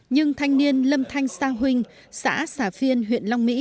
nhưng thanh niên lâm thanh sa huỳnh xã xà phiên huyện long mỹ